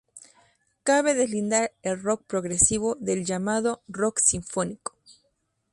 Cabe deslindar el rock progresivo del llamado rock sinfónico.